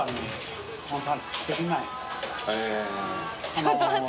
ちょっと待って。